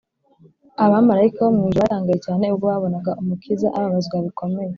abamarayika bo mu ijuru baratangaye cyane ubwo babonaga umukiza ababazwa bikomeye